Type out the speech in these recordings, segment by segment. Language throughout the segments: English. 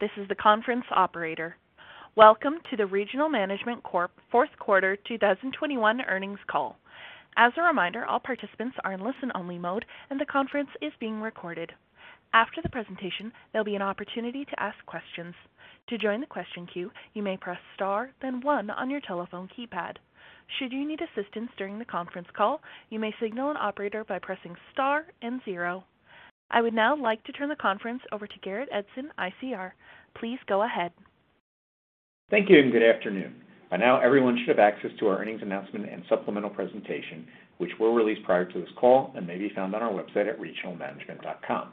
This is the conference operator. Welcome to the Regional Management Corp fourth quarter 2021 earnings call. As a reminder, all participants are in listen-only mode, and the conference is being recorded. After the presentation, there'll be an opportunity to ask questions. To join the question queue, you may press star, then one on your telephone keypad. Should you need assistance during the conference call, you may signal an operator by pressing star and zero. I would now like to turn the conference over to Garrett Edson, ICR. Please go ahead. Thank you, and good afternoon. By now, everyone should have access to our earnings announcement and supplemental presentation, which were released prior to this call and may be found on our website at regionalmanagement.com.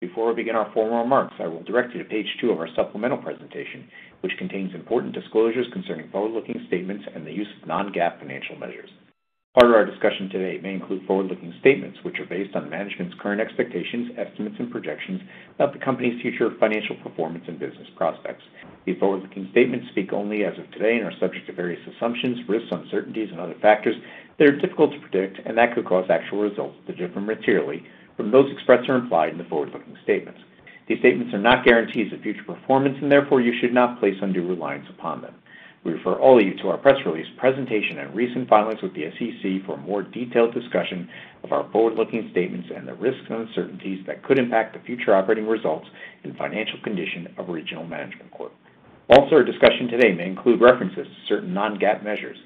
Before we begin our formal remarks, I will direct you to page two of our supplemental presentation, which contains important disclosures concerning forward-looking statements and the use of non-GAAP financial measures. Part of our discussion today may include forward-looking statements, which are based on management's current expectations, estimates, and projections of the company's future financial performance and business prospects. These forward-looking statements speak only as of today and are subject to various assumptions, risks, uncertainties, and other factors that are difficult to predict and that could cause actual results to differ materially from those expressed or implied in the forward-looking statements. These statements are not guarantees of future performance, and therefore, you should not place undue reliance upon them. We refer all of you to our press release presentation and recent filings with the SEC for a more detailed discussion of our forward-looking statements and the risks and uncertainties that could impact the future operating results and financial condition of Regional Management Corp. Also, our discussion today may include references to certain non-GAAP measures.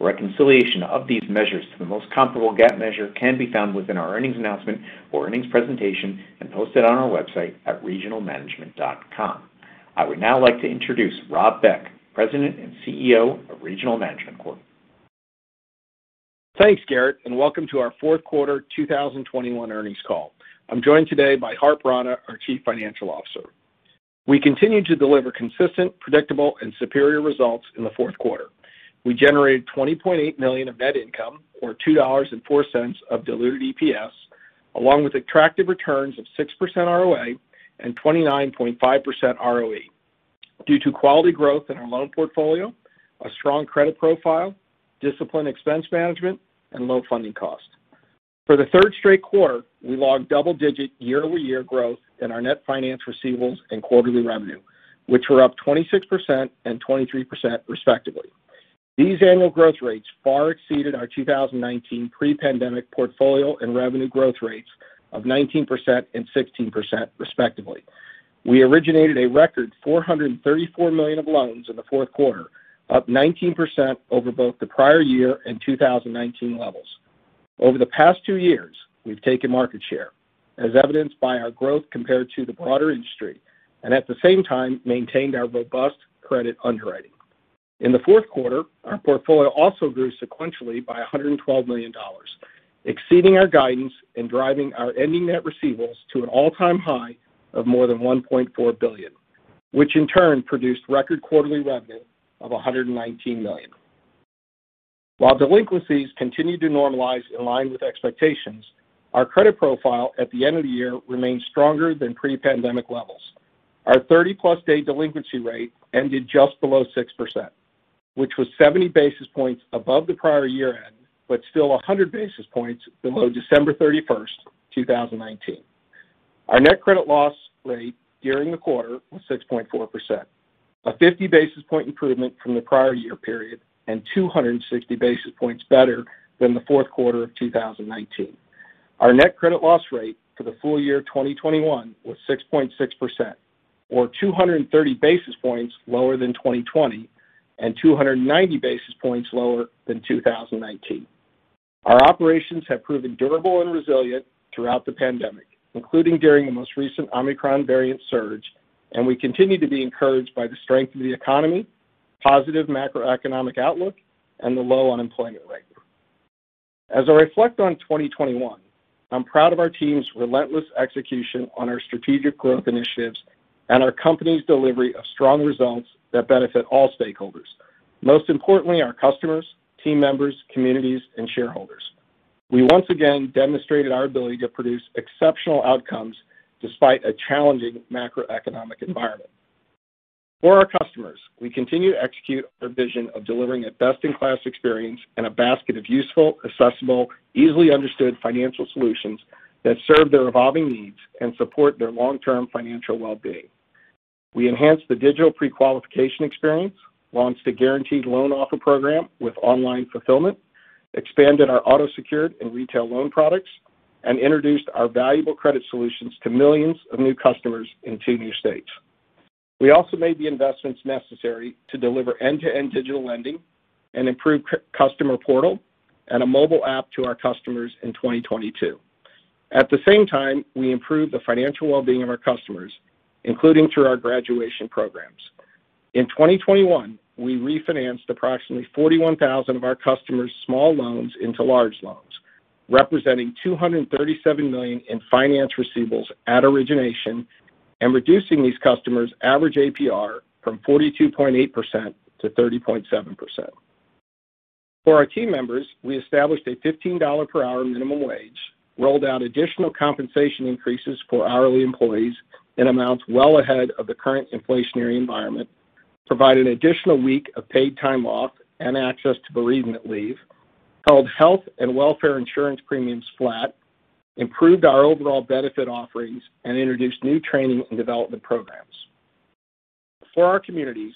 Reconciliation of these measures to the most comparable GAAP measure can be found within our earnings announcement or earnings presentation and posted on our website at regionalmanagement.com. I would now like to introduce Rob Beck, President and CEO of Regional Management Corp. Thanks, Garrett, and welcome to our fourth quarter 2021 earnings call. I'm joined today by Harp Rana, our Chief Financial Officer. We continue to deliver consistent, predictable, and superior results in the fourth quarter. We generated $20.8 million of net income or $2.04 of diluted EPS, along with attractive returns of 6% ROA and 29.5% ROE due to quality growth in our loan portfolio, a strong credit profile, disciplined expense management, and low funding costs. For the third straight quarter, we logged double-digit year-over-year growth in our net finance receivables and quarterly revenue, which were up 26% and 23%, respectively. These annual growth rates far exceeded our 2019 pre-pandemic portfolio and revenue growth rates of 19% and 16%, respectively. We originated a record $434 million of loans in the fourth quarter, up 19% over both the prior-year and 2019 levels. Over the past two years, we've taken market share, as evidenced by our growth compared to the broader industry, and at the same time, maintained our robust credit underwriting. In the fourth quarter, our portfolio also grew sequentially by $112 million, exceeding our guidance and driving our ending net receivables to an all-time high of more than $1.4 billion, which in turn produced record quarterly revenue of $119 million. While delinquencies continued to normalize in line with expectations, our credit profile at the end of the year remained stronger than pre-pandemic levels. Our 30+ day delinquency rate ended just below 6%, which was 70 basis points above the prior-year-end but still 100 basis points below December 31st, 2019. Our net credit loss rate during the quarter was 6.4%, a 50 basis point improvement from the prior-year period and 260 basis points better than the fourth quarter of 2019. Our net credit loss rate for the full year 2021 was 6.6% or 230 basis points lower than 2020 and 290 basis points lower than 2019. Our operations have proven durable and resilient throughout the pandemic, including during the most recent Omicron variant surge, and we continue to be encouraged by the strength of the economy, positive macroeconomic outlook, and the low unemployment rate. As I reflect on 2021, I'm proud of our team's relentless execution on our strategic growth initiatives and our company's delivery of strong results that benefit all stakeholders, most importantly, our customers, team members, communities, and shareholders. We once again demonstrated our ability to produce exceptional outcomes despite a challenging macroeconomic environment. For our customers, we continue to execute our vision of delivering a best-in-class experience and a basket of useful, accessible, easily understood financial solutions that serve their evolving needs and support their long-term financial well-being. We enhanced the digital pre-qualification experience, launched a guaranteed loan offer program with online fulfillment, expanded our auto, secured, and retail loan products, and introduced our valuable credit solutions to millions of new customers in two new states. We also made the investments necessary to deliver end-to-end digital lending, an improved customer portal, and a mobile app to our customers in 2022. At the same time, we improved the financial well-being of our customers, including through our graduation programs. In 2021, we refinanced approximately 41,000 of our customers' small loans into large loans, representing $237 million in finance receivables at origination and reducing these customers' average APR from 42.8% to 30.7%. For our team members, we established a $15 per hour minimum wage, rolled out additional compensation increases for hourly employees in amounts well ahead of the current inflationary environment, provided an additional week of paid time off and access to bereavement leave, held health and welfare insurance premiums flat, improved our overall benefit offerings, and introduced new training and development programs. For our communities,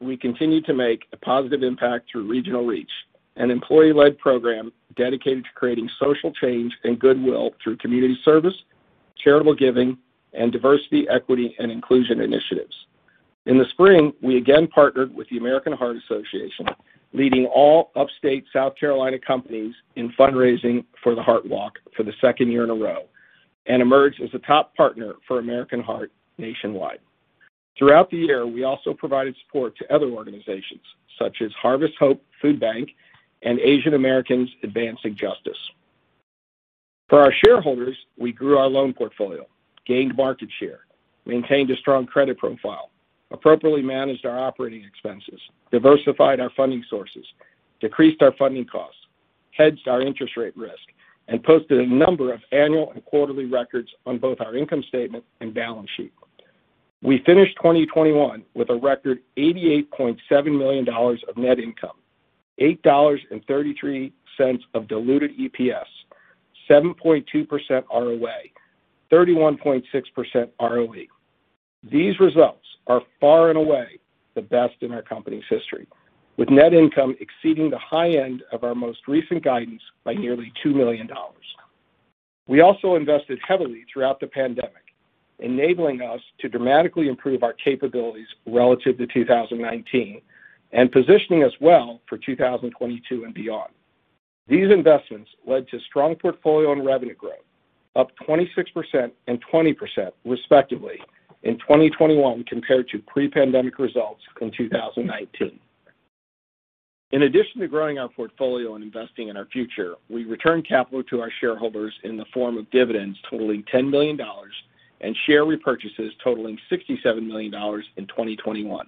we continue to make a positive impact through Regional Reach, an employee-led program dedicated to creating social change and goodwill through community service, charitable giving, and diversity, equity, and inclusion initiatives. In the spring, we again partnered with the American Heart Association, leading all upstate South Carolina companies in fundraising for the Heart Walk for the second year in a row and emerged as a top partner for American Heart nationwide. Throughout the year, we also provided support to other organizations such as Harvest Hope Food Bank and Asian Americans Advancing Justice. For our shareholders, we grew our loan portfolio, gained market share, maintained a strong credit profile, appropriately managed our operating expenses, diversified our funding sources, decreased our funding costs, hedged our interest rate risk, and posted a number of annual and quarterly records on both our income statement and balance sheet. We finished 2021 with a record $88.7 million of net income, $8.33 of diluted EPS, 7.2% ROA, 31.6% ROE. These results are far and away the best in our company's history, with net income exceeding the high end of our most recent guidance by nearly $2 million. We also invested heavily throughout the pandemic, enabling us to dramatically improve our capabilities relative to 2019 and positioning us well for 2022 and beyond. These investments led to strong portfolio and revenue growth, up 26% and 20% respectively in 2021 compared to pre-pandemic results in 2019. In addition to growing our portfolio and investing in our future, we returned capital to our shareholders in the form of dividends totaling $10 million and share repurchases totaling $67 million in 2021.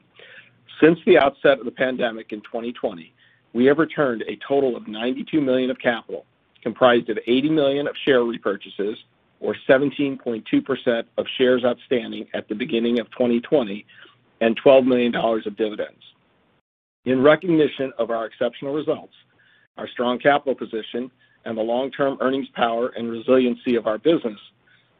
Since the outset of the pandemic in 2020, we have returned a total of $92 million of capital, comprised of $80 million of share repurchases, or 17.2% of shares outstanding at the beginning of 2020, and $12 million of dividends. In recognition of our exceptional results, our strong capital position, and the long-term earnings power and resiliency of our business,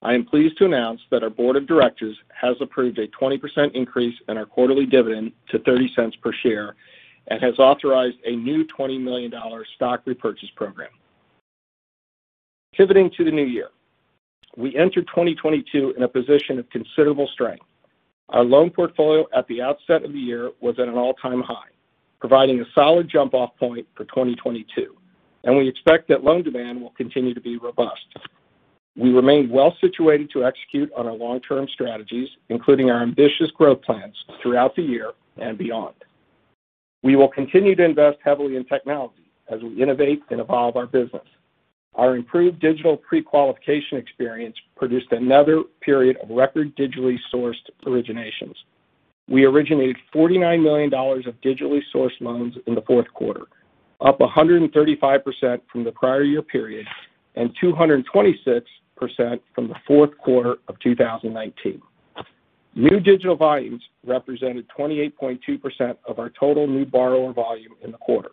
I am pleased to announce that our Board of Directors has approved a 20% increase in our quarterly dividend to $0.30 per share and has authorized a new $20 million stock repurchase program. Pivoting to the new year. We entered 2022 in a position of considerable strength. Our loan portfolio at the outset of the year was at an all-time high, providing a solid jump-off point for 2022, and we expect that loan demand will continue to be robust. We remain well-situated to execute on our long-term strategies, including our ambitious growth plans throughout the year and beyond. We will continue to invest heavily in technology as we innovate and evolve our business. Our improved digital pre-qualification experience produced another period of record digitally sourced originations. We originated $49 million of digitally sourced loans in the fourth quarter, up 135% from the prior-year period and 226% from the fourth quarter of 2019. New digital volumes represented 28.2% of our total new borrower volume in the quarter,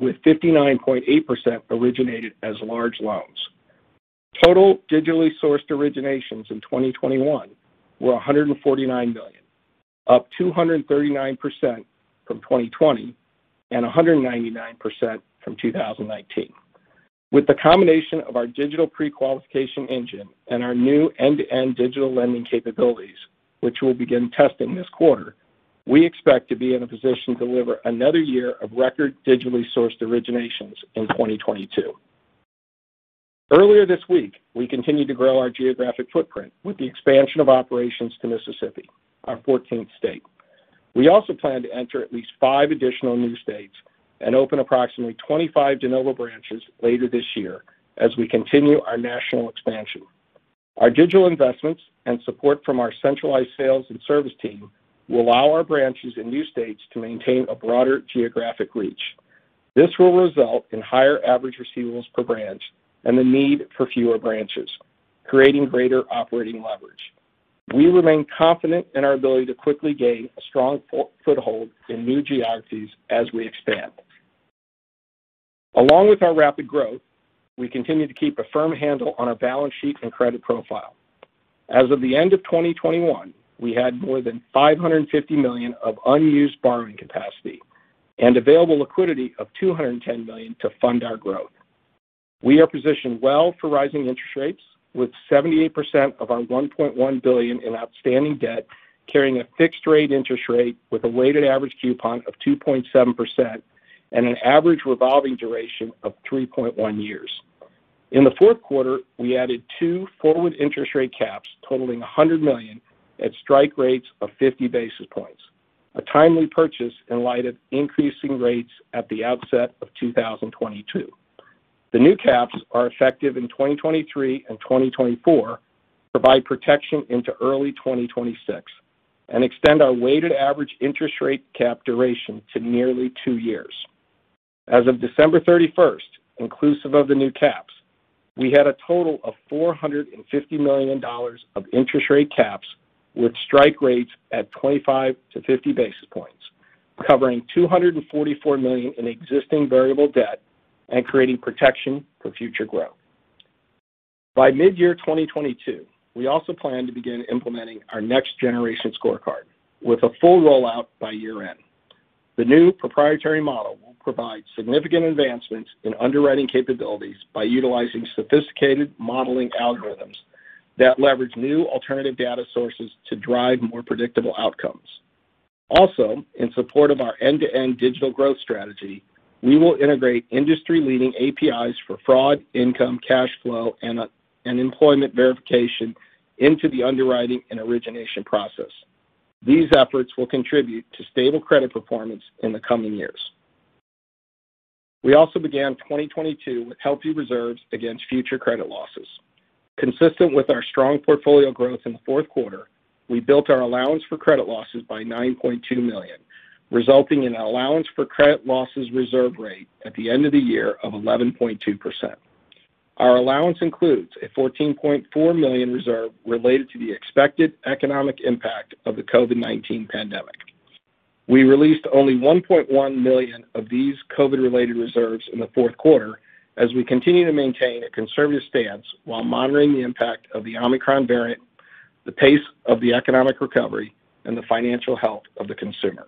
with 59.8% originated as large loans. Total digitally sourced originations in 2021 were $149 million, up 239% from 2020 and 199% from 2019. With the combination of our digital pre-qualification engine and our new end-to-end digital lending capabilities, which we'll begin testing this quarter, we expect to be in a position to deliver another year of record digitally sourced originations in 2022. Earlier this week, we continued to grow our geographic footprint with the expansion of operations to Mississippi, our 14th state. We also plan to enter at least five additional new states and open approximately 25 de novo branches later this year as we continue our national expansion. Our digital investments and support from our centralized sales and service team will allow our branches in new states to maintain a broader geographic reach. This will result in higher average receivables per branch and the need for fewer branches, creating greater operating leverage. We remain confident in our ability to quickly gain a strong foothold in new geographies as we expand. Along with our rapid growth, we continue to keep a firm handle on our balance sheet and credit profile. As of the end of 2021, we had more than $550 million of unused borrowing capacity and available liquidity of $210 million to fund our growth. We are positioned well for rising interest rates with 78% of our $1.1 billion in outstanding debt carrying a fixed-rate interest rate with a weighted average coupon of 2.7% and an average revolving duration of 3.1 years. In the fourth quarter, we added two forward interest rate caps totaling $100 million at strike rates of 50 basis points. A timely purchase in light of increasing rates at the outset of 2022. The new caps are effective in 2023 and 2024, provide protection into early 2026, and extend our weighted average interest rate cap duration to nearly two years. As of December 31st, inclusive of the new caps, we had a total of $450 million of interest rate caps with strike rates at 25-50 basis points, covering $244 million in existing variable debt and creating protection for future growth. By mid-year 2022, we also plan to begin implementing our next-generation scorecard with a full rollout by year-end. The new proprietary model will provide significant advancements in underwriting capabilities by utilizing sophisticated modeling algorithms that leverage new alternative data sources to drive more predictable outcomes. Also, in support of our end-to-end digital growth strategy, we will integrate industry-leading APIs for fraud, income, cash flow, and employment verification into the underwriting and origination process. These efforts will contribute to stable credit performance in the coming years. We also began 2022 with healthy reserves against future credit losses. Consistent with our strong portfolio growth in the fourth quarter, we built our allowance for credit losses by $9.2 million, resulting in an allowance for credit losses reserve rate at the end of the year of 11.2%. Our allowance includes a $14.4 million reserve related to the expected economic impact of the COVID-19 pandemic. We released only $1.1 million of these COVID-related reserves in the fourth quarter as we continue to maintain a conservative stance while monitoring the impact of the Omicron variant, the pace of the economic recovery, and the financial health of the consumer.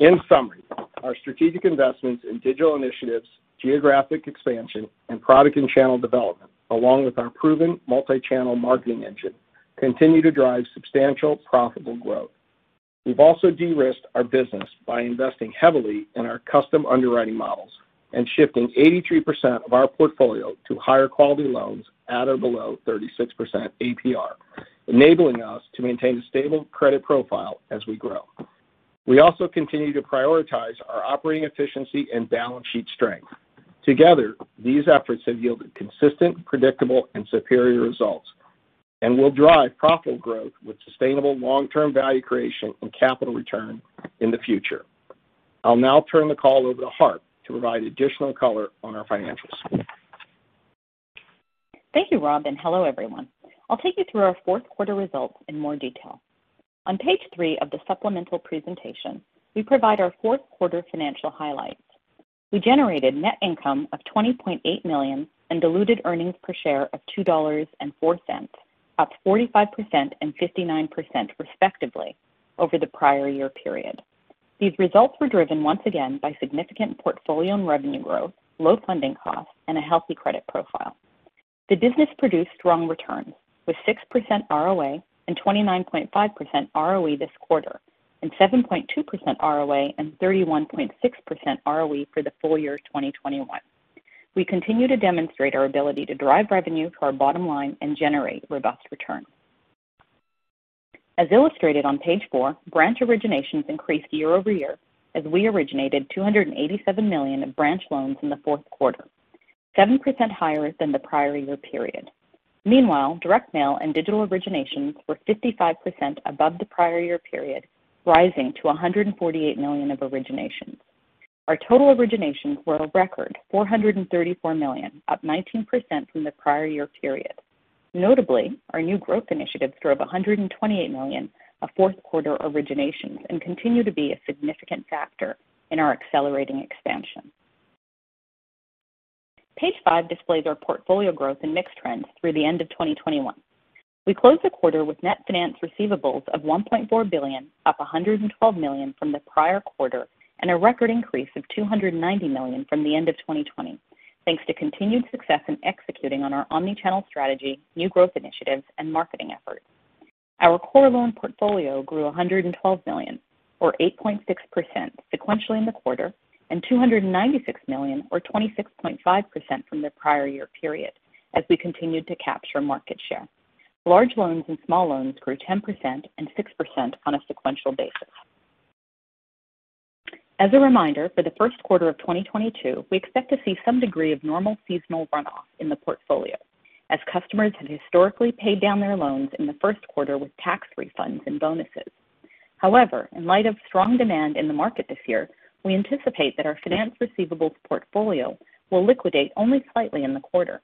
In summary, our strategic investments in digital initiatives, geographic expansion, and product and channel development, along with our proven multi-channel marketing engine, continue to drive substantial profitable growth. We've also de-risked our business by investing heavily in our custom underwriting models and shifting 83% of our portfolio to higher-quality loans at or below 36% APR, enabling us to maintain a stable credit profile as we grow. We also continue to prioritize our operating efficiency and balance sheet strength. Together, these efforts have yielded consistent, predictable, and superior results and will drive profitable growth with sustainable long-term value creation and capital return in the future. I'll now turn the call over to Harp Rana to provide additional color on our financials. Thank you, Rob, and hello, everyone. I'll take you through our fourth quarter results in more detail. On page three of the supplemental presentation, we provide our fourth quarter financial highlights. We generated net income of $20.8 million and diluted earnings per share of $2.04, up 45% and 59%, respectively, over the prior-year period. These results were driven once again by significant portfolio and revenue growth, low funding costs, and a healthy credit profile. The business produced strong returns with 6% ROA and 29.5% ROE this quarter and 7.2% ROA and 31.6% ROE for the full year 2021. We continue to demonstrate our ability to drive revenue to our bottom line and generate robust returns. As illustrated on page four, branch originations increased year-over-year as we originated $287 million in branch loans in the fourth quarter, 7% higher than the prior-year period. Meanwhile, direct mail and digital originations were 55% above the prior-year period, rising to $148 million of originations. Our total originations were a record $434 million, up 19% from the prior-year period. Notably, our new growth initiatives drove $128 million of fourth quarter originations and continue to be a significant factor in our accelerating expansion. Page five displays our portfolio growth and mix trends through the end of 2021. We closed the quarter with net finance receivables of $1.4 billion, up $112 million from the prior quarter and a record increase of $290 million from the end of 2020, thanks to continued success in executing on our omni-channel strategy, new growth initiatives, and marketing efforts. Our core loan portfolio grew $112 million, Or 8.6% sequentially in the quarter, and $296 million, or 26.5% from the prior-year period, as we continued to capture market share. Large loans and small loans grew 10% and 6% on a sequential basis. As a reminder, for the first quarter of 2022, we expect to see some degree of normal seasonal runoff in the portfolio as customers have historically paid down their loans in the first quarter with tax refunds and bonuses. However, in light of strong demand in the market this year, we anticipate that our finance receivables portfolio will liquidate only slightly in the quarter.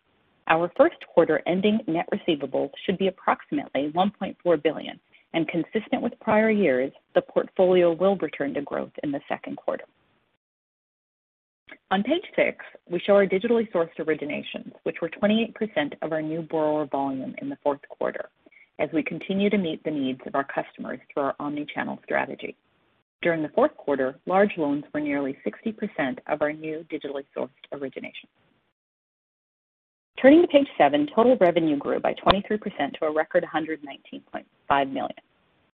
Our first quarter ending net receivables should be approximately $1.4 billion. Consistent with prior-years, the portfolio will return to growth in the second quarter. On page six, we show our digitally sourced originations, which were 28% of our new borrower volume in the fourth quarter, as we continue to meet the needs of our customers through our omni-channel strategy. During the fourth quarter, large loans were nearly 60% of our new digitally sourced originations. Turning to page seven, total revenue grew by 23% to a record $119.5 million.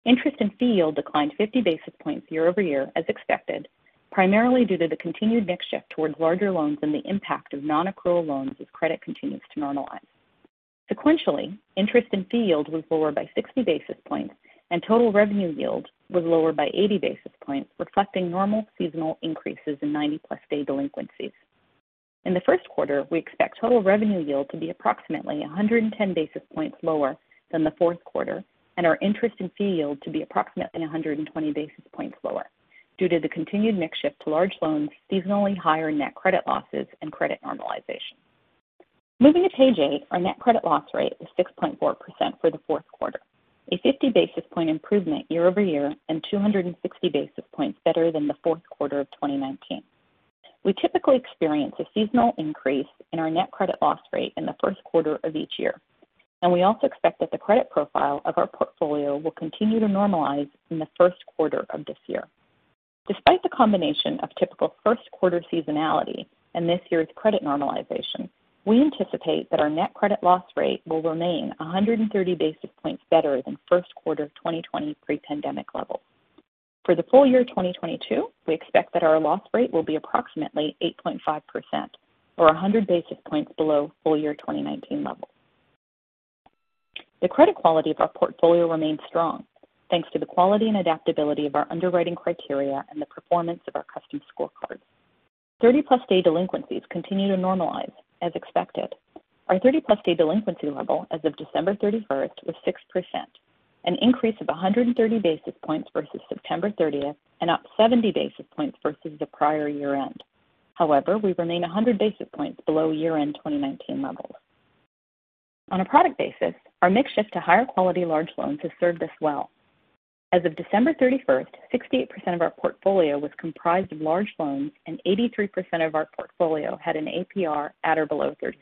Interest and fee yield declined 50 basis points year-over-year as expected, primarily due to the continued mix shift towards larger loans and the impact of non-accrual loans as credit continues to normalize. Sequentially, interest and fee yield was lower by 60 basis points, and total revenue yield was lower by 80 basis points, reflecting normal seasonal increases in 90+ day delinquencies. In the first quarter, we expect total revenue yield to be approximately 110 basis points lower than the fourth quarter and our interest and fee yield to be approximately 120 basis points lower due to the continued mix shift to large loans, seasonally higher net credit losses, and credit normalization. Moving to page eight, our net credit loss rate was 6.4% for the fourth quarter, a 50 basis points improvement year-over-year and 260 basis points better than the fourth quarter of 2019. We typically experience a seasonal increase in our net credit loss rate in the first quarter of each year, and we also expect that the credit profile of our portfolio will continue to normalize in the first quarter of this year. Despite the combination of typical first quarter seasonality and this year's credit normalization, we anticipate that our net credit loss rate will remain 130 basis points better than first quarter of 2020 pre-pandemic levels. For the full year 2022, we expect that our loss rate will be approximately 8.5% or 100 basis points below full year 2019 levels. The credit quality of our portfolio remains strong, thanks to the quality and adaptability of our underwriting criteria and the performance of our custom scorecards. 30+ day delinquencies continue to normalize as expected. Our 30+ day delinquency level as of December 31st was 6%, an increase of 130 basis points versus September 30th and up 70 basis points versus the prior-year-end. However, we remain 100 basis points below year-end 2019 levels. On a product basis, our mix shift to higher-quality large loans has served us well. As of December 31, 68% of our portfolio was comprised of large loans, and 83% of our portfolio had an APR at or below 36%.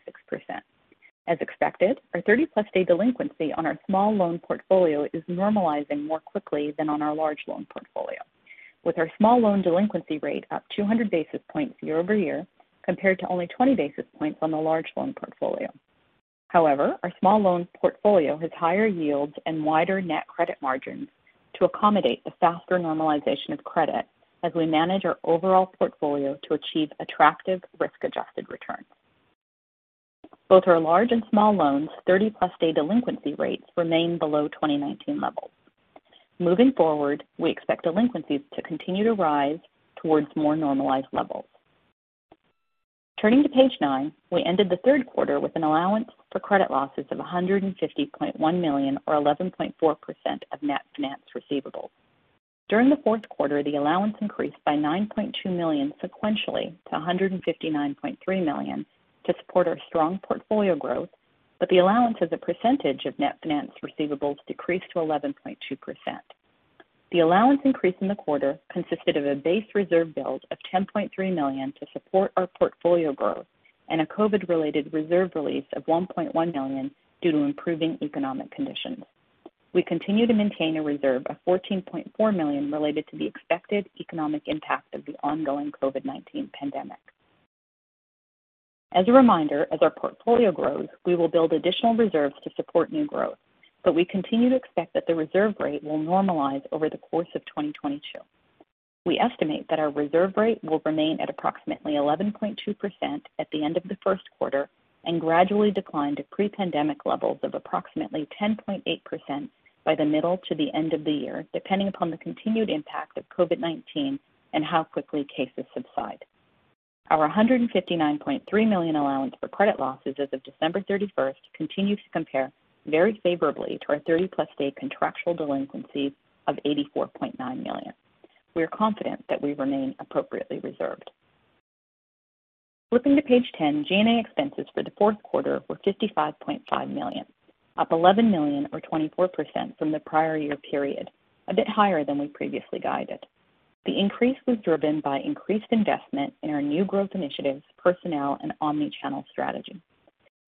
As expected, our 30+ day delinquency on our small loan portfolio is normalizing more quickly than on our large loan portfolio. With our small loan delinquency rate up 200 basis points year-over-year, compared to only 20 basis points on the large loan portfolio. However, our small loan portfolio has higher yields and wider net credit margins to accommodate the faster normalization of credit as we manage our overall portfolio to achieve attractive risk-adjusted returns. Both our large and small loans' 30+ day delinquency rates remain below 2019 levels. Moving forward, we expect delinquencies to continue to rise towards more normalized levels. Turning to page nine, we ended the third quarter with an allowance for credit losses of $150.1 million or 11.4% of net finance receivables. During the fourth quarter, the allowance increased by $9.2 million, sequentially to $159.3 million, to support our strong portfolio growth, but the allowance as a percentage of net finance receivables decreased to 11.2%. The allowance increase in the quarter consisted of a base reserve build of $10.3 million to support our portfolio growth and a COVID-related reserve release of $1.1 million due to improving economic conditions. We continue to maintain a reserve of $14.4 million related to the expected economic impact of the ongoing COVID-19 pandemic. As a reminder, as our portfolio grows, we will build additional reserves to support new growth, but we continue to expect that the reserve rate will normalize over the course of 2022. We estimate that our reserve rate will remain at approximately 11.2% at the end of the first quarter and gradually decline to pre-pandemic levels of approximately 10.8% by the middle to the end of the year, depending upon the continued impact of COVID-19 and how quickly cases subside. Our $159.3 million allowance for credit losses as of December 31st continues to compare very favorably to our 30+ day contractual delinquencies of $84.9 million. We are confident that we remain appropriately reserved. Flipping to page 10, G&A expenses for the fourth quarter were $55.5 million, up $11 million or 24% from the prior-year period, a bit higher than we previously guided. The increase was driven by increased investment in our new growth initiatives, personnel, and omnichannel strategy.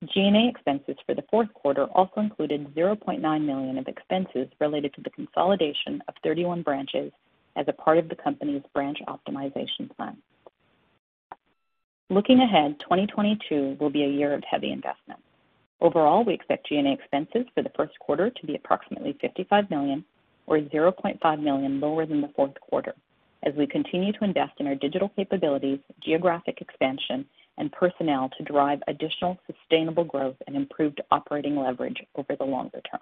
G&A expenses for the fourth quarter also included $0.9 million of expenses related to the consolidation of 31 branches as a part of the company's branch optimization plan. Looking ahead, 2022 will be a year of heavy investment. Overall, we expect G&A expenses for the first quarter to be approximately $55 million or $0.5 million lower than the fourth quarter as we continue to invest in our digital capabilities, geographic expansion, and personnel to drive additional sustainable growth and improved operating leverage over the longer term.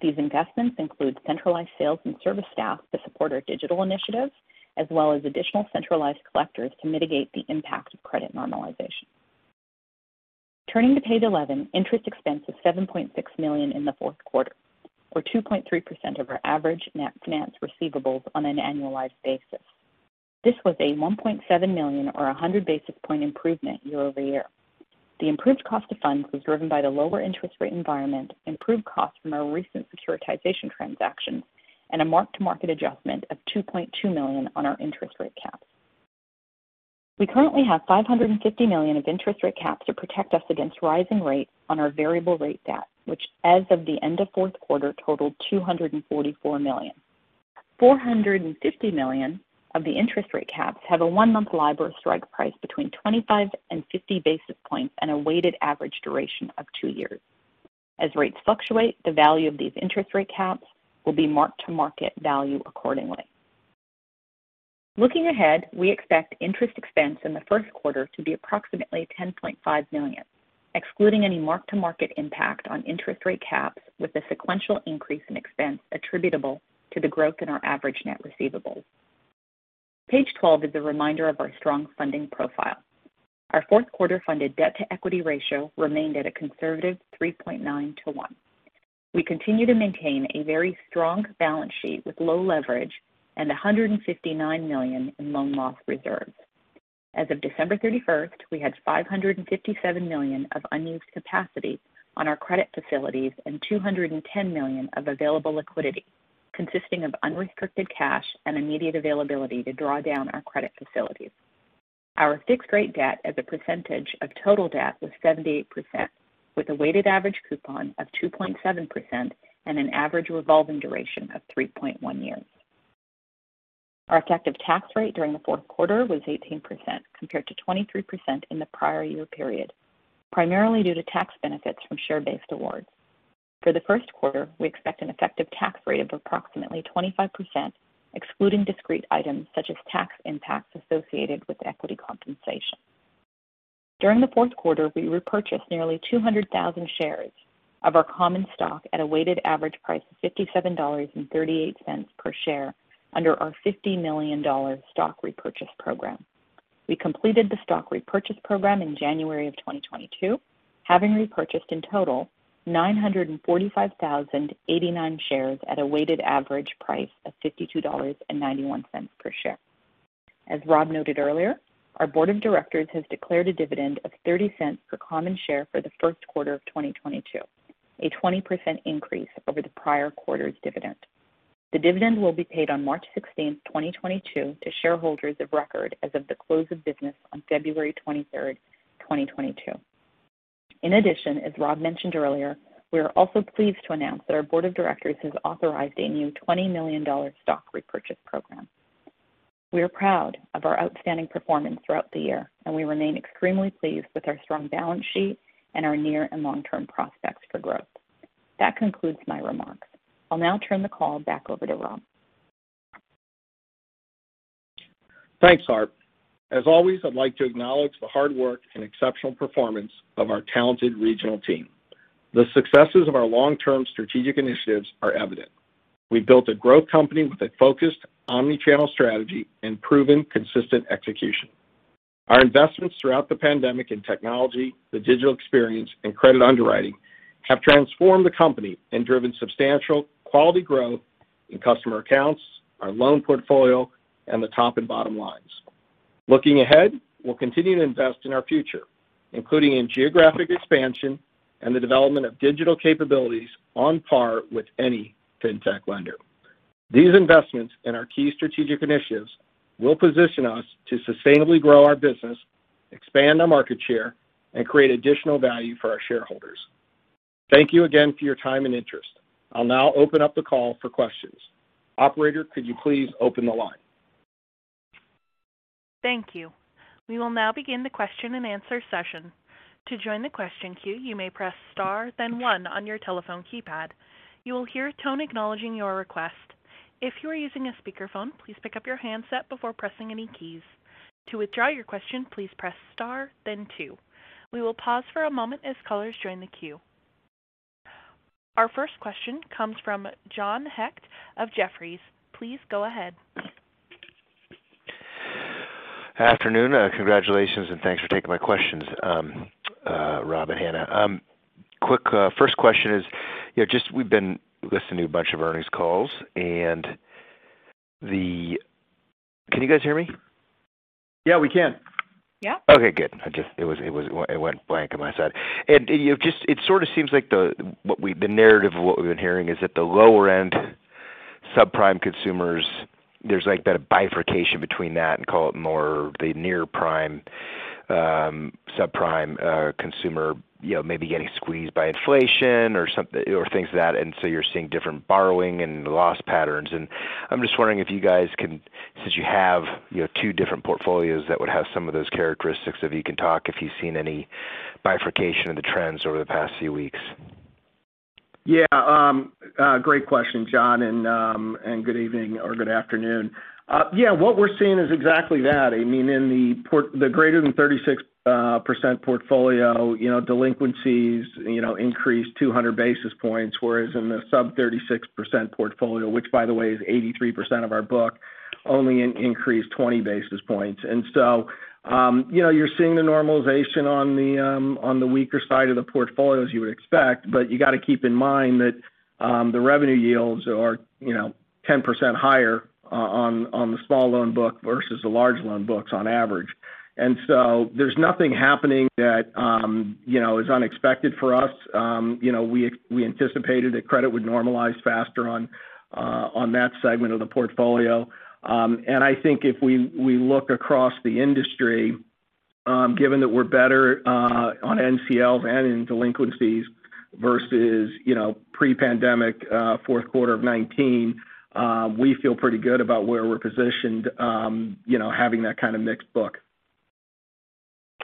These investments include centralized sales and service staff to support our digital initiatives, as well as additional centralized collectors to mitigate the impact of credit normalization. Turning to page 11, interest expense was $7.6 million in the fourth quarter, or 2.3% of our average net finance receivables on an annualized basis. This was a $1.7 million or 100 basis point improvement year-over-year. The improved cost of funds was driven by the lower interest rate environment, improved costs from our recent securitization transactions, and a mark-to-market adjustment of $2.2 million on our interest rate caps. We currently have $550 million of interest rate caps to protect us against rising rates on our variable rate debt, which, as of the end of fourth quarter, totaled $244 million. $450 million of the interest rate caps have a one-month LIBOR strike price between 25 and 50 basis points and a weighted average duration of two years. As rates fluctuate, the value of these interest rate caps will be marked-to-market value accordingly. Looking ahead, we expect interest expense in the first quarter to be approximately $10.5 million, excluding any mark-to-market impact on interest rate caps, with a sequential increase in expense attributable to the growth in our average net receivables. Page 12 is a reminder of our strong funding profile. Our fourth quarter funded debt-to-equity ratio remained at a conservative 3.9-to-1. We continue to maintain a very strong balance sheet with low leverage and $159 million in loan loss reserves. As of December 31, we had $557 million of unused capacity on our credit facilities and $210 million of available liquidity consisting of unrestricted cash and immediate availability to draw down our credit facilities. Our fixed-rate debt as a percentage of total debt was 78%, with a weighted average coupon of 2.7% and an average revolving duration of three point one years. Our effective tax rate during the fourth quarter was 18%, compared to 23% in the prior-year period, primarily due to tax benefits from share-based awards. For the first quarter, we expect an effective tax rate of approximately 25%, excluding discrete items such as tax impacts associated with equity compensation. During the fourth quarter, we repurchased nearly 200,000 shares of our common stock at a weighted average price of $57.38 per share under our $50 million stock repurchase program. We completed the stock repurchase program in January 2022, having repurchased in total 945,089 shares at a weighted average price of $52.91 per share. As Rob noted earlier, our Board of Directors has declared a dividend of $0.30 per common share for the first quarter of 2022, a 20% increase over the prior quarter's dividend. The dividend will be paid on March 16, 2022, to shareholders of record as of the close of business on February 23rd, 2022. In addition, as Rob mentioned earlier, we are also pleased to announce that our board of directors has authorized a new $20 million stock repurchase program. We are proud of our outstanding performance throughout the year, and we remain extremely pleased with our strong balance sheet and our near and long-term prospects for growth. That concludes my remarks. I'll now turn the call back over to Rob. Thanks, Harp. As always, I'd like to acknowledge the hard work and exceptional performance of our talented regional team. The successes of our long-term strategic initiatives are evident. We've built a growth company with a focused omni-channel strategy and proven consistent execution. Our investments throughout the pandemic in technology, the digital experience, and credit underwriting have transformed the company and driven substantial quality growth in customer accounts, our loan portfolio, and the top and bottom lines. Looking ahead, we'll continue to invest in our future, including in geographic expansion and the development of digital capabilities on par with any fintech lender. These investments in our key strategic initiatives will position us to sustainably grow our business, expand our market share, and create additional value for our shareholders. Thank you again for your time and interest. I'll now open up the call for questions. Operator, could you please open the line? Thank you. We will now begin the question-and-answer session. To join the question queue, you may press star then one on your telephone keypad. You will hear a tone acknowledging your request. If you are using a speakerphone, please pick up your handset before pressing any keys. To withdraw your question, please press star then two. We will pause for a moment as callers join the queue. Our first question comes from John Hecht of Jefferies. Please go ahead. Afternoon. Congratulations and thanks for taking my questions, Rob Beck and Harp Rana. Quick first question is, you know, just we've been listening to a bunch of earnings calls. Can you guys hear me? Yeah, we can. Yeah. Okay, good. It went blank on my side. You know, it sort of seems like the narrative of what we've been hearing is that the lower-end subprime consumers, there's like that bifurcation between that and call it more the near-prime subprime consumer, you know, maybe getting squeezed by inflation or something, or things of that. You're seeing different borrowing and loss patterns. I'm just wondering if you guys can, since you have, you know, two different portfolios that would have some of those characteristics, if you can talk, if you've seen any bifurcation in the trends over the past few weeks. Yeah. Great question, John, and good evening or good afternoon. Yeah, what we're seeing is exactly that. I mean, in the greater than 36% portfolio, you know, delinquencies, you know, increased 200 basis points, whereas in the sub 36% portfolio, which by the way is 83% of our book, only increased 20 basis points. You know, you're seeing the normalization on the weaker side of the portfolio as you would expect, but you gotta keep in mind that the revenue yields are, you know, 10% higher on the small loan book versus the large loan books on average. There's nothing happening that is unexpected for us. You know, we anticipated that credit would normalize faster on that segment of the portfolio. I think if we look across the industry, given that we're better on NCLs and in delinquencies versus, you know, pre-pandemic fourth quarter of 2019, we feel pretty good about where we're positioned, you know, having that kind of mixed book.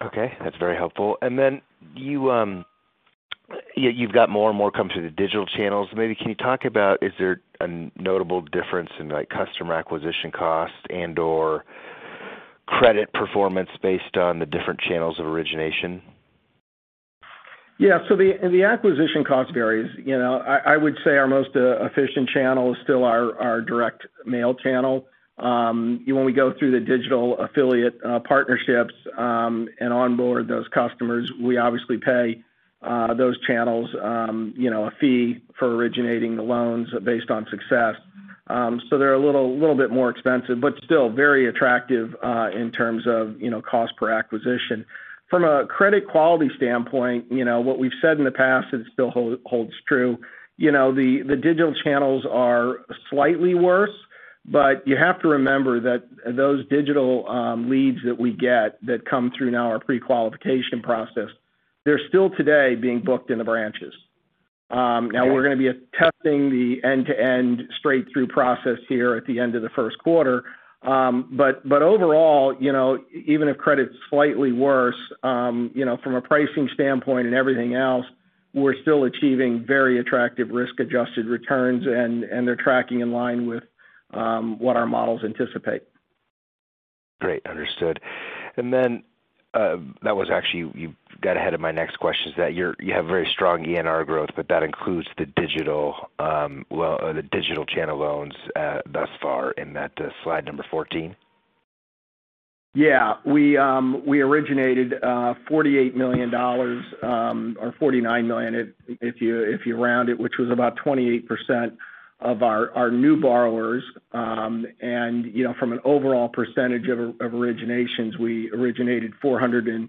Okay. That's very helpful. Do you, yeah, you've got more and more coming through the digital channels. Maybe, can you talk about is there a notable difference in, like, customer acquisition costs and/or credit performance based on the different channels of origination? Yeah. The acquisition cost varies. You know, I would say our most efficient channel is still our direct mail channel. When we go through the digital affiliate partnerships and onboard those customers, we obviously pay those channels, you know, a fee for originating the loans based on success. They're a little bit more expensive, but still very attractive in terms of you know, cost per acquisition. From a credit quality standpoint, you know, what we've said in the past, and it still holds true, you know, the digital channels are slightly worse, but you have to remember that those digital leads that we get that come through our pre-qualification process, they're still today being booked in the branches. Now we're gonna be testing the end-to-end straight-through process here at the end of the first quarter. But overall, you know, even if credit's slightly worse, you know, from a pricing standpoint and everything else, we're still achieving very attractive risk-adjusted returns, and they're tracking in line with what our models anticipate. Great. Understood. That was actually you got ahead of my next question, is that you have very strong ENR growth, but that includes the digital channel loans thus far in that slide number 14. Yeah. We originated $48 million, or $49 million if you round it, which was about 28% of our new borrowers. You know, from an overall percentage of originations, we originated $434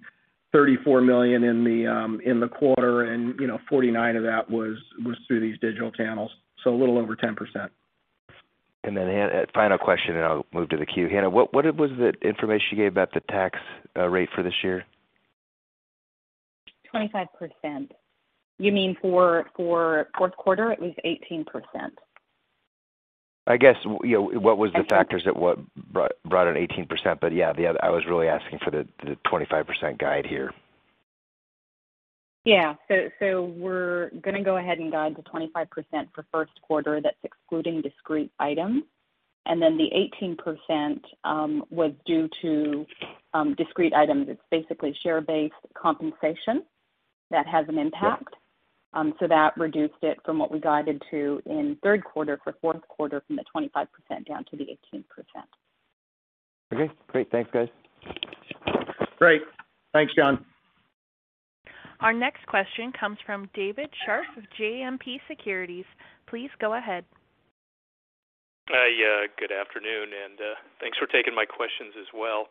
million in the quarter, and, you know, $49 million of that was through these digital channels. A little over 10%. Final question, and I'll move to the queue. Harp, what was the information you gave about the tax rate for this year? 25%. You mean for the fourth quarter? It was 18%. I guess you know, what was the factors that brought out 18%, but yeah, the other, I was really asking for the 25% guide here. We're gonna go ahead and guide to 25% for the first quarter. That's excluding discrete items. The 18% was due to discrete items. It's basically share-based compensation that has an impact. That reduced it from what we guided to in third quarter for the fourth quarter from 25% down to 18%. Okay, great. Thanks, guys. Great. Thanks, John. Our next question comes from David Scharf of JMP Securities. Please go ahead. Hi. Good afternoon, and thanks for taking my questions as well.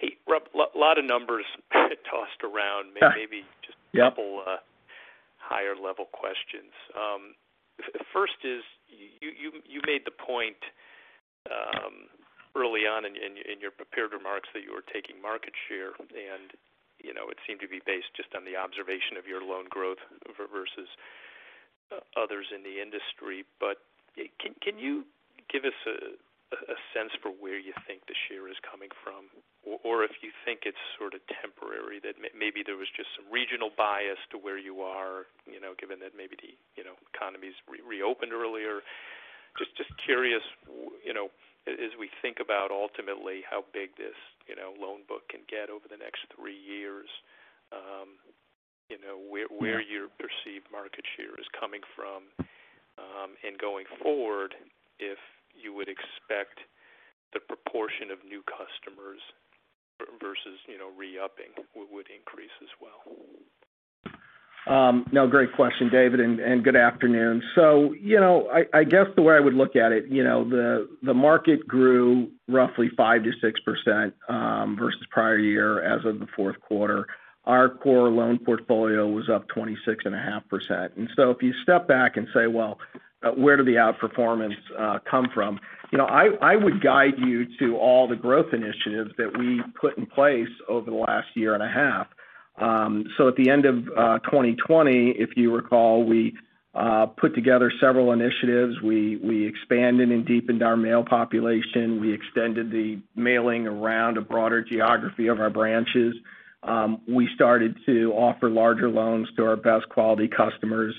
Hey, Rob, a lot of numbers get tossed around. Yeah. Maybe just- Yeah. A couple of higher-level questions. First is you made the point early on in your prepared remarks that you were taking market share, and you know, it seemed to be based just on the observation of your loan growth versus others in the industry. Can you give us a sense for where you think the share is coming from, or if you think it's sort of temporary, that maybe there was just some regional bias to where you are, you know, given that maybe the economies reopened earlier? Just curious, you know, as we think about ultimately how big this loan book can get over the next three years, you know, where. Yeah. Where your perceived market share is coming from, and going forward, if you would expect the proportion of new customers versus, you know, re-upping would increase as well? No. Great question, David, and good afternoon. You know, I guess the way I would look at it, you know, the market grew roughly 5%-6% versus prior-year as of the fourth quarter. Our core loan portfolio was up 26.5%. If you step back and say, well, where did the outperformance come from? You know, I would guide you to all the growth initiatives that we put in place over the last year and a half. At the end of 2020, if you recall, we put together several initiatives. We expanded and deepened our mail population. We extended the mailing around a broader geography of our branches. We started to offer larger loans to our best quality customers,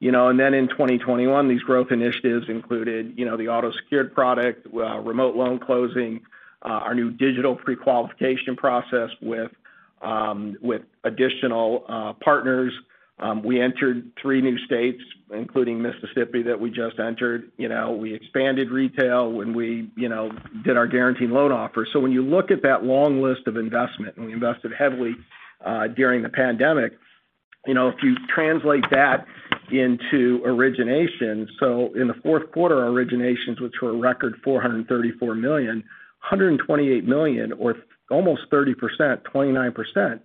you know. Then in 2021, these growth initiatives included, you know, the auto secured product, remote loan closing, our new digital pre-qualification process with additional partners. We entered three new states, including Mississippi, that we just entered. You know, we expanded retail when we, you know, did our guaranteed loan offer. When you look at that long list of investments, and we invested heavily during the pandemic, you know, if you translate that into origination. In the fourth quarter, our originations, which were a record $434 million, $128 million, or almost 30%, 29%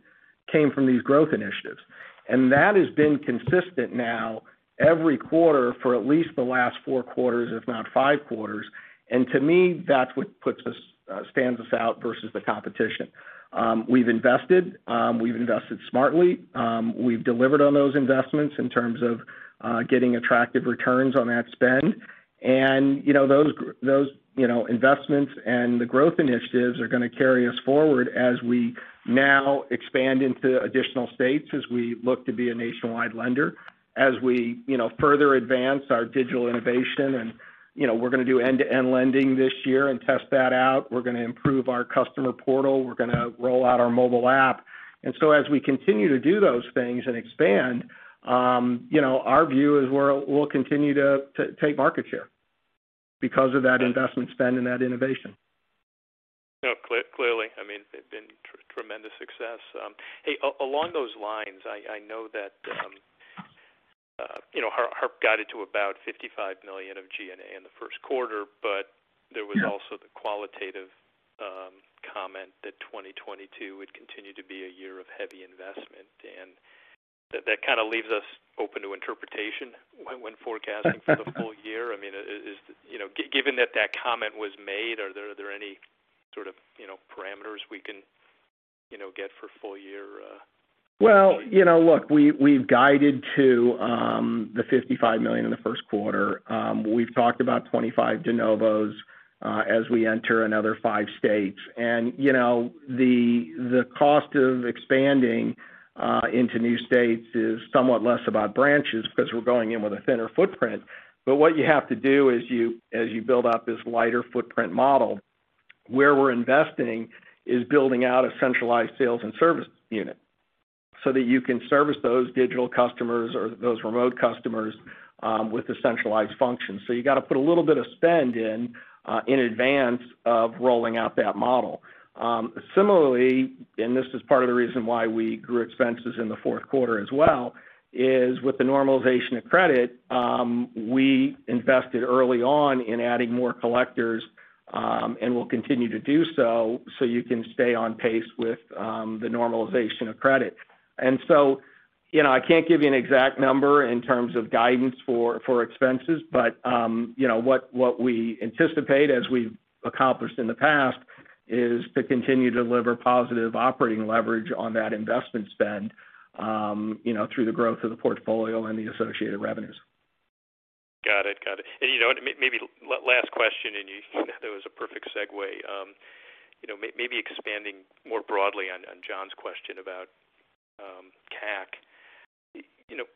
came from these growth initiatives. That has been consistent now every quarter for at least the last four quarters, if not five quarters. To me, that's what stands us out versus the competition. We've invested smartly. We've delivered on those investments in terms of getting attractive returns on that spend. You know, those investments and the growth initiatives are gonna carry us forward as we now expand into additional states, as we look to be a nationwide lender. As we, you know, further advance our digital innovation and, you know, we're gonna do end-to-end lending this year and test that out. We're gonna improve our customer portal. We're gonna roll out our mobile app. As we continue to do those things and expand, you know, our view is we'll continue to take market share because of that investment spend and that innovation. No, clearly. I mean, they've been tremendous success. Hey, along those lines, I know that, you know, Harp guided to about $55 million of G&A in the first quarter, but- Yeah There was also the qualitative comment that 2022 would continue to be a year of heavy investment. That kind of leaves us open to interpretation when forecasting for the full year. I mean, you know, given that that comment was made, are there any sort of, you know, parameters we can, you know, get for the full year? Well, you know, look, we've guided to $55 million in the first quarter. We've talked about 25 de novos as we enter another five states. You know, the cost of expanding into new states is somewhat less about branches because we're going in with a thinner footprint. What you have to do is, as you build out this lighter footprint model, where we're investing, is building out a centralized sales and service unit so that you can service those digital customers or those remote customers with the centralized function. You've got to put a little bit of spend in advance of rolling out that model. Similarly, this is part of the reason why we grew expenses in the fourth quarter as well, is. With the normalization of credit, we invested early on in adding more collectors, and we'll continue to do so. You can stay on pace with the normalization of credit. You know, I can't give you an exact number in terms of guidance for expenses. You know, what we anticipate as we've accomplished in the past is to continue to deliver positive operating leverage on that investment spend, you know, through the growth of the portfolio and the associated revenues. Got it. You know what, maybe last question, and that was a perfect segue. You know, maybe expanding more broadly on John's question about CAC. You know,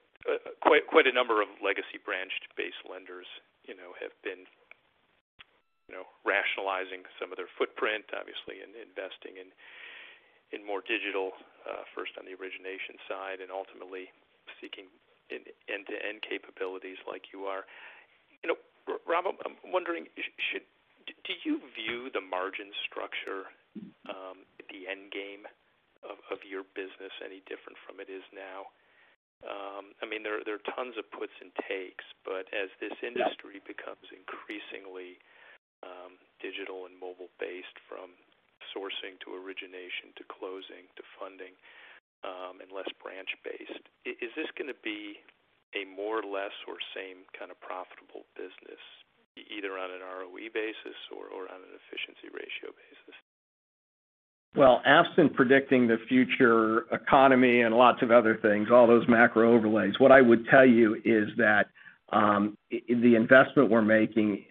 quite a number of legacy branch-based lenders, you know, have been rationalizing some of their footprint, obviously, and investing in more digital-first on the origination side and ultimately seeking end-to-end capabilities like you are. You know, Rob, I'm wondering, do you view the margin structure, the end game of your business, any different from it is now? I mean, there are tons of puts and takes, but as this industry- Yeah becomes increasingly digital and mobile-based from sourcing to origination to closing to funding, and less branch-based, is this gonna be a more, less, or same kind of profitable business, either on an ROE basis or on an efficiency ratio basis? Well, absent predicting the future economy and lots of other things, all those macro overlays, what I would tell you is that, the investment we're making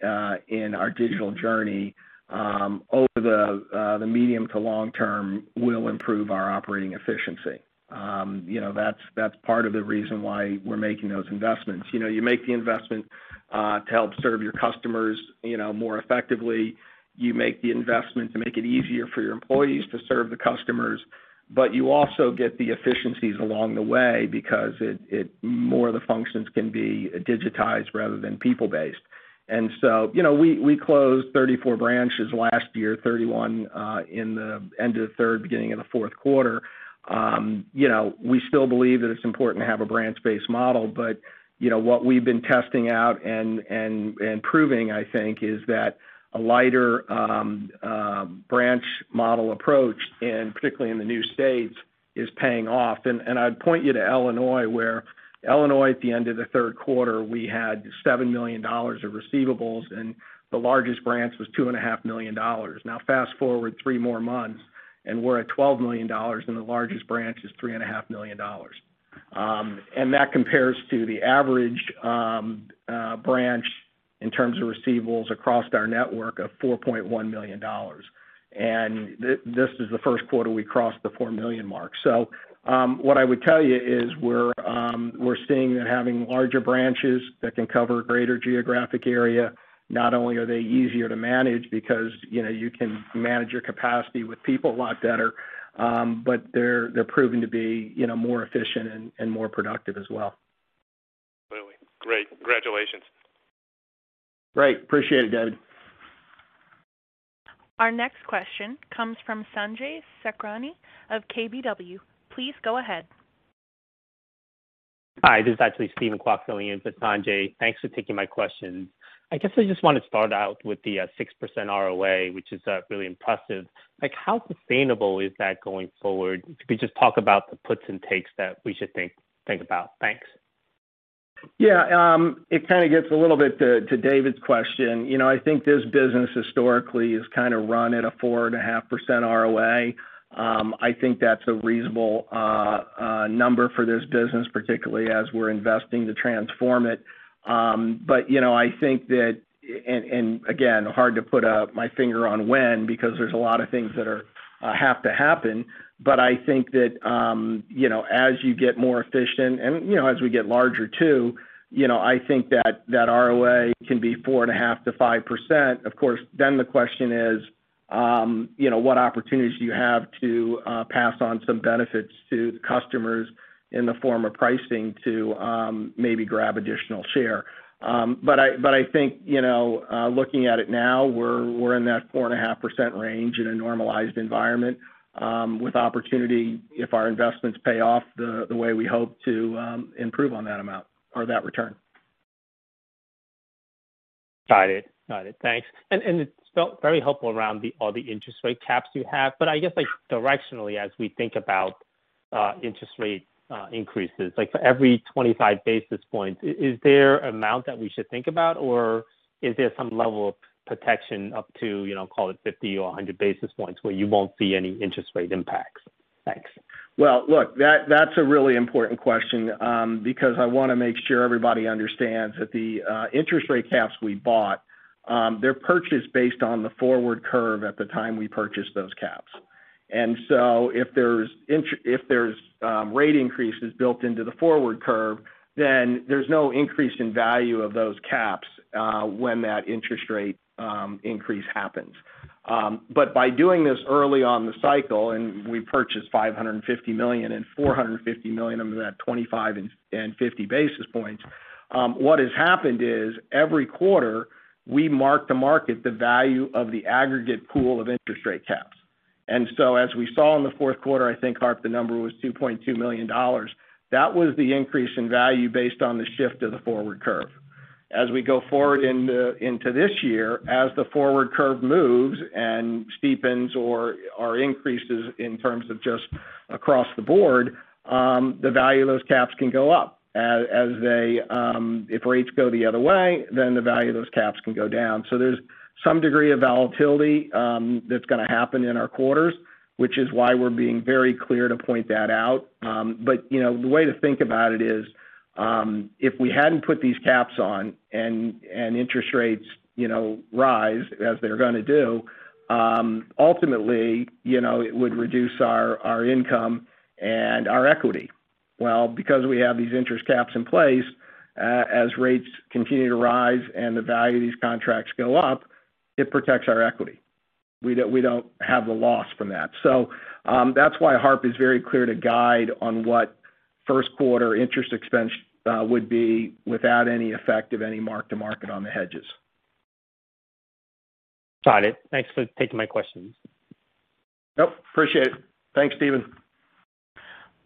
in our digital journey over the medium to long-term will improve our operating efficiency. You know, that's part of the reason why we're making those investments. You know, you make the investment to help serve your customers, you know, more effectively. You make the investment to make it easier for your employees to serve the customers. But you also get the efficiencies along the way because it more of the functions can be digitized rather than people-based. You know, we closed 34 branches last year, 31 in the end of the third, beginning of the fourth quarter. You know, we still believe that it's important to have a branch-based model, but you know, what we've been testing out and proving, I think, is that a lighter branch model approach, and particularly in the new states, is paying off. I'd point you to Illinois, where at the end of the third quarter, we had $7 million of receivables, and the largest branch was $2.5 million. Now fast-forward three more months, and we're at $12 million, and the largest branch is $3.5 million. That compares to the average branch in terms of receivables across our network of $4.1 million. This is the first quarter we crossed the $4 million mark. What I would tell you is we're seeing that having larger branches that can cover a greater geographic area, not only are they easier to manage because, you know, you can manage your capacity with people a lot better, but they're proving to be, you know, more efficient and more productive as well. Really. Great. Congratulations. Great. I appreciate it, David. Our next question comes from Sanjay Sakhrani of KBW. Please go ahead. Hi, this is actually Steven Kwok filling in for Sanjay. Thanks for taking my question. I guess I just want to start out with the 6% ROA, which is really impressive. Like, how sustainable is that going forward? If you could just talk about the puts and takes that we should think about. Thanks. Yeah. It kind of gets a little bit to David's question. You know, I think this business historically has kind of run at a 4.5% ROA. I think that's a reasonable number for this business, particularly as we're investing to transform it. You know, I think that, and again, it's hard to put my finger on when, because there's a lot of things that have to happen. I think that, you know, as you get more efficient and, you know, as we get larger too, you know, I think that ROA can be 4.5%-5%. Of course, the question is, you know, what opportunities do you have to pass on some benefits to the customers in the form of pricing to maybe grab additional share? But I think, you know, looking at it now, we're in that 4.5% range in a normalized environment, with opportunity if our investments pay off the way we hope to improve on that amount or that return. Got it. Thanks. It's felt very helpful around all the interest rate caps you have. I guess, like, directionally, as we think about interest rate increases. Like, for every 25 basis points, is there an amount that we should think about, or is there some level of protection up to, you know, call it 50 or 100 basis points, where you won't see any interest rate impacts? Thanks. Well, look, that's a really important question, because I wanna make sure everybody understands that the interest rate caps we bought, they're purchased based on the forward curve at the time we purchased those caps. If there's rate increases built into the forward curve, then there's no increase in value of those caps, when that interest rate increase happens. By doing this early on the cycle, we purchased $550 million and $450 million of that 25 and 50 basis points. What has happened is every quarter, we mark to market the value of the aggregate pool of interest rate caps. As we saw in the fourth quarter, I think, Harp, the number was $2.2 million. That was the increase in value based on the shift of the forward curve. As we go forward into this year, as the forward curve moves and steepens or increases in terms of just across the board, the value of those caps can go up. As they, if rates go the other way, then the value of those caps can go down. So there's some degree of volatility that's gonna happen in our quarters, which is why we're being very clear to point that out. You know, the way to think about it is, if we hadn't put these caps on and interest rates, you know, rise as they're gonna do, ultimately, you know, it would reduce our income and our equity. Well, because we have these interest caps in place, as rates continue to rise and the value of these contracts goes up, it protects our equity. We don't have the loss from that. That's why Harp is very clear to guide on what the first quarter interest expense would be without any effect of any mark-to-market on the hedges. Got it. Thanks for taking my questions. Nope. Appreciate it. Thanks, Steven.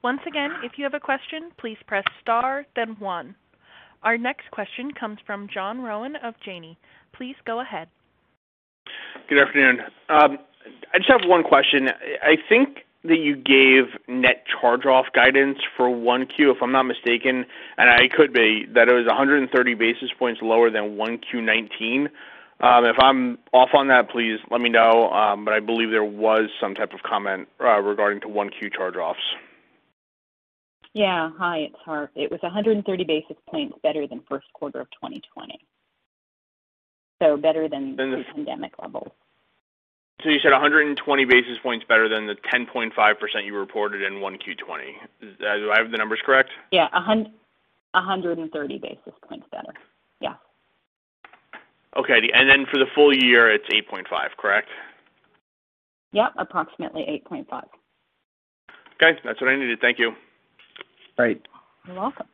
Once again, if you have a question, please press star then one. Our next question comes from John Rowan of Janney. Please go ahead. Good afternoon. I just have one question. I think that you gave net charge-off guidance for 1Q, if I'm not mistaken, and I could be, that it was 130 basis points lower than 1Q 2019. If I'm off on that, please let me know. But I believe there was some type of comment regarding to 1Q charge-offs. Hi, it's Harp. It was 130 basis points better than the first quarter of 2020. Better than- Than the- The pandemic levels. You said 120 basis points better than the 10.5% you reported in 1Q 2020. Do I have the numbers correct? Yeah. 130 basis points better. Yeah. Okay. For the full year, it's 8.5%, correct? Yep. Approximately 8.5%. Okay. That's what I needed. Thank you. Great. You're welcome.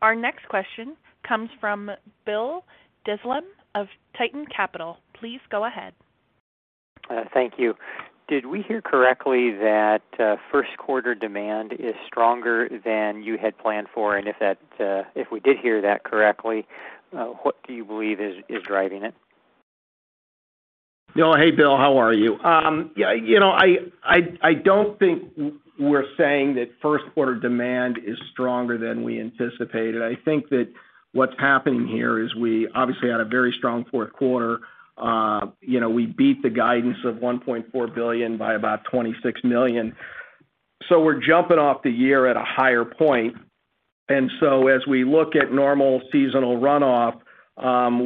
Our next question comes from Bill Dezellem of Tieton Capital. Please go ahead. Thank you. Did we hear correctly that first-quarter demand is stronger than you had planned for? If we did hear that correctly, what do you believe is driving it? No. Hey, Bill. How are you? I don't think we're saying that first-quarter demand is stronger than we anticipated. I think that what's happening here is we obviously had a very strong fourth quarter. We beat the guidance of $1.4 billion by about $26 million. We're jumping off the year at a higher point. As we look at normal seasonal runoff,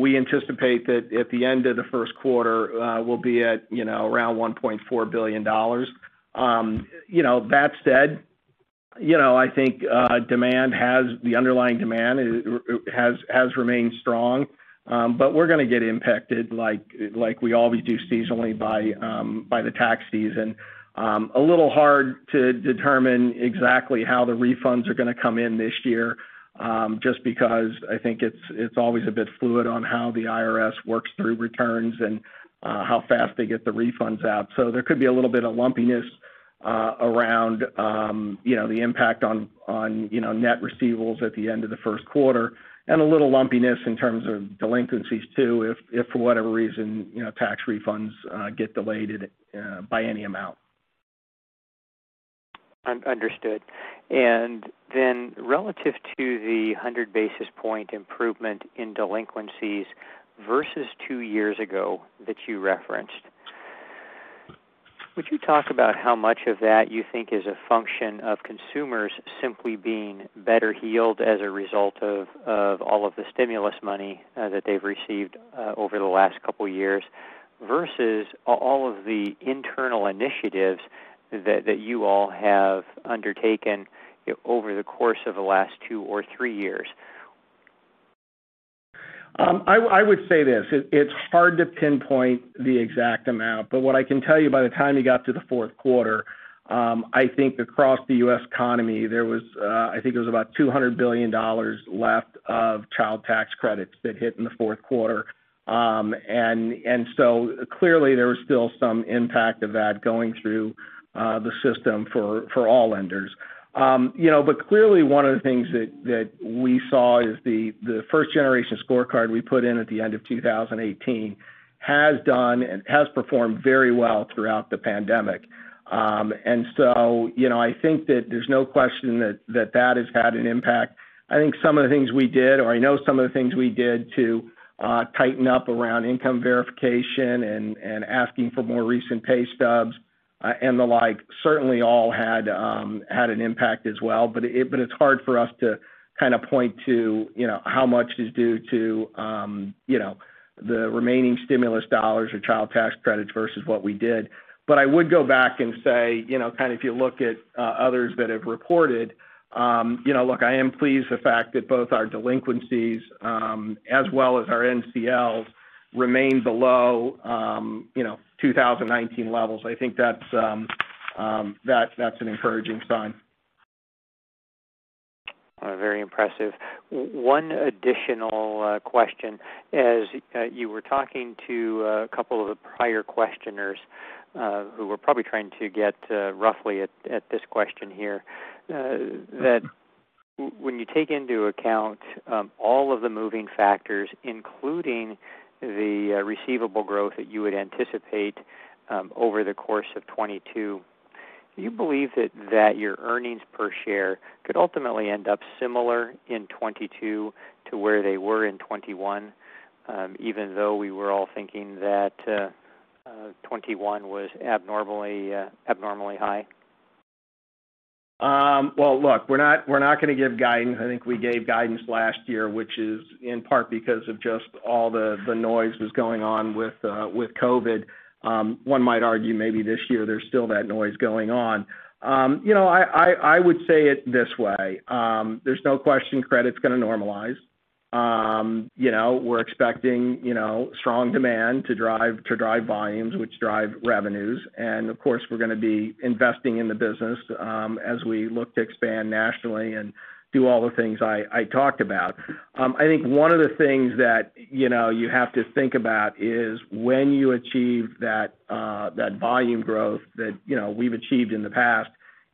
we anticipate that at the end of the first quarter, we'll be at around $1.4 billion. That said, I think the underlying demand has remained strong. We're gonna get impacted like we always do seasonally by the tax season. A little hard to determine exactly how the refunds are gonna come in this year, just because I think it's always a bit fluid on how the IRS works through returns and how fast they get the refunds out. There could be a little bit of lumpiness around, you know the impact on net receivables at the end of the first quarter, and a little lumpiness in terms of delinquencies too, if, for whatever reason, you know, tax refunds get delayed by any amount. Understood. Relative to the 100 basis point improvement in delinquencies versus two years ago that you referenced, would you talk about how much of that you think is a function of consumers simply being better healed as a result of all of the stimulus money that they've received over the last couple years versus all of the internal initiatives that you all have undertaken over the course of the last two or three years? I would say this. It's hard to pinpoint the exact amount, but what I can tell you, by the time you got to the fourth quarter, I think across the U.S. economy, there was about $200 billion left of child tax credits that hit in the fourth quarter. Clearly, there was still some impact of that going through the system for all lenders. You know, but clearly one of the things that we saw is the first-generation scorecard we put in at the end of 2018 has done and has performed very well throughout the pandemic. You know, I think that there's no question that, that has had an impact. I think some of the things we did, or I know some of the things we did to tighten up around income verification and asking for more recent pay stubs and the like, certainly all had an impact as well. It's hard for us to kind of point to, you know, how much is due to, you know, the remaining stimulus dollars or child tax credits versus what we did. I would go back and say, you know, kind of if you look at others that have reported, you know, look, I am pleased the fact that both our delinquencies as well as our NCLs remain below, you know, 2019 levels. I think that's an encouraging sign. Very impressive. One additional question. As you were talking to a couple of the prior questioners who were probably trying to get roughly at this question here, that when you take into account all of the moving factors, including the receivable growth that you would anticipate over the course of 2022, do you believe that your earnings per share could ultimately end up similar in 2022 to where they were in 2021, even though we were all thinking that 2021 was abnormally high? Well, look, we're not gonna give guidance. I think we gave guidance last year, which is in part because of just all the noise that was going on with COVID. One might argue that maybe this year there's still that noise going on. You know, I would say it this way. There's no question credit's gonna normalize. You know, we're expecting strong demand to drive volumes, which drive revenues. Of course, we're gonna be investing in the business as we look to expand nationally and do all the things I talked about. I think one of the things that, you know, you have to think about is when you achieve that, that volume growth that, you know, we've achieved in the past,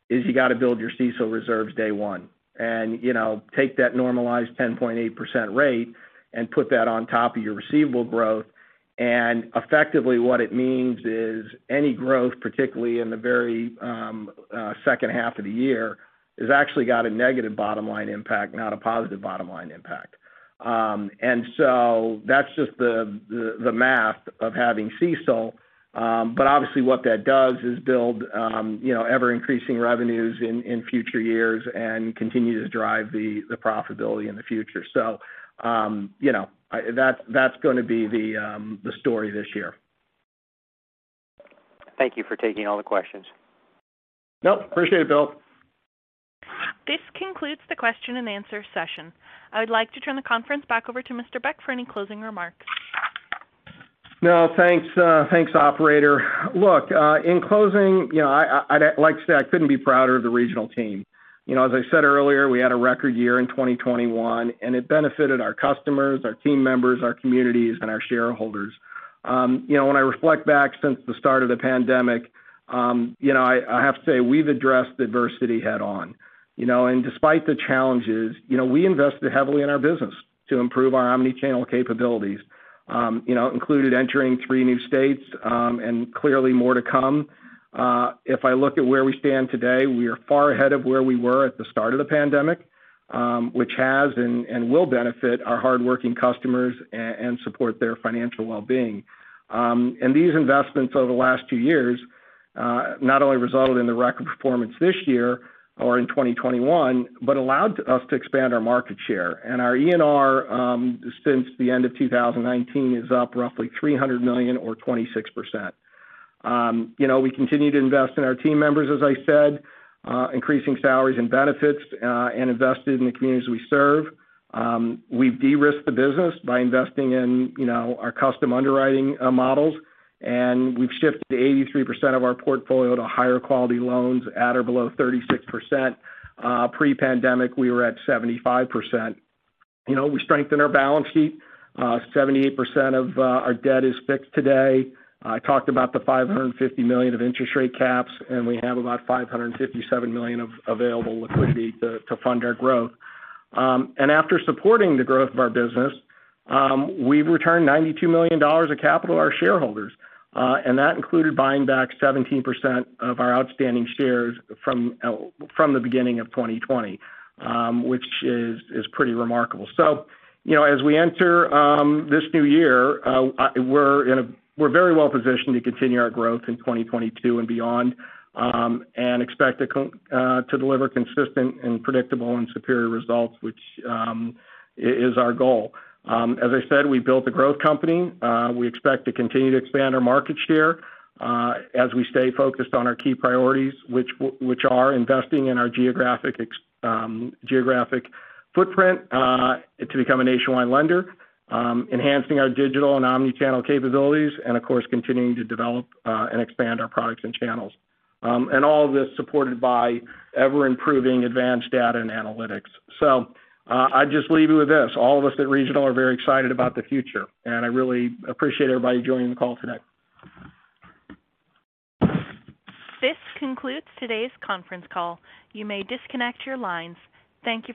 is you gotta build your CECL reserves day one. You know, take that normalized 10.8% rate and put that on top of your receivable growth. Effectively, what it means is any growth, particularly in the very second half of the year, has actually got a negative bottom-line impact, not a positive bottom-line impact. That's just the math of having CECL. Obviously, what that does is build, you know, ever-increasing revenues in future years and continue to drive the profitability in the future. That's gonna be the story this year. Thank you for taking all the questions. Nope. Appreciate it, Bill. This concludes the question and answer session. I would like to turn the conference back over to Mr. Beck for any closing remarks. Thanks, operator. Look, in closing, you know, I'd like to say I couldn't be prouder of the Regional team. You know, as I said earlier, we had a record year in 2021, and it benefited our customers, our team members, our communities, and our shareholders. You know, when I reflect back since the start of the pandemic, you know, I have to say we've addressed adversity head-on. You know, despite the challenges, you know, we invested heavily in our business to improve our omnichannel capabilities, including entering three new states, and clearly more to come. If I look at where we stand today, we are far ahead of where we were at the start of the pandemic, which has and will benefit our hardworking customers and support their financial well-being. These investments over the last two years not only resulted in the record performance this year or in 2021, but allowed us to expand our market share. Our ENR since the end of 2019 is up roughly $300 million or 26%. You know, we continue to invest in our team members, as I said, increasing salaries and benefits, and invested in the communities we serve. You know, we've de-risked the business by investing in our custom underwriting models, and we've shifted 83% of our portfolio to higher-quality loans at or below 36%. Pre-pandemic, we were at 75%. You know, we strengthened our balance sheet. 78% of our debt is fixed today. I talked about the $550 million of interest rate caps, and we have about $557 million of available liquidity to fund our growth. After supporting the growth of our business, we've returned $92 million of capital to our shareholders, and that included buying back 17% of our outstanding shares from the beginning of 2020, which is pretty remarkable. You know, as we enter this new year, we're very well-positioned to continue our growth in 2022 and beyond, and expect to deliver consistent, and predictable, and superior results, which is our goal. As I said, we built a growth company. We expect to continue to expand our market share, as we stay focused on our key priorities, which are investing in our geographic footprint to become a nationwide lender, enhancing our digital and omnichannel capabilities, and, of course, continuing to develop and expand our products and channels. All of this is supported by ever-improving advanced data and analytics. I just leave you with this. All of us at Regional are very excited about the future, and I really appreciate everybody joining the call today. This concludes today's conference call. You may disconnect your lines. Thank you.